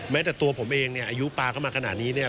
แม้แต่ตัวผมเองเนี่ยอายุปลาเข้ามาขนาดนี้เนี่ย